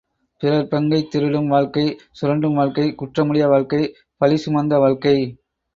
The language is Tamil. பிறர் பங்கைத் திருடும் வாழ்க்கை சுரண்டும் வாழ்க்கை குற்றமுடைய வாழ்க்கை பழிசுமந்த வாழ்க்கை.